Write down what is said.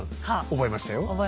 覚えましたよねえ。